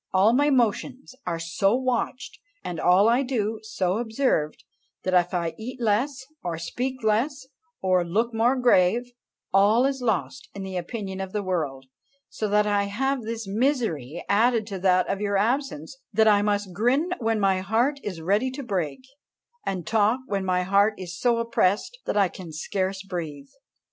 All my motions are so watched, and all I do so observed, that if I eat less, or speak less, or look more grave, all is lost in the opinion of the world; so that I have this misery added to that of your absence, that I must grin when my heart is ready to break, and talk when my heart is so oppressed that I can scarce breathe.